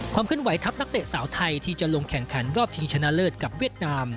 เคลื่อทัพนักเตะสาวไทยที่จะลงแข่งขันรอบชิงชนะเลิศกับเวียดนาม